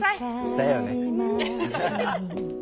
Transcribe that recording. だよね。